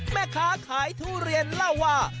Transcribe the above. แม่ค้าขายทุเรียนเล่าว่า